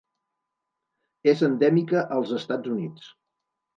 És endèmica als Estats Units.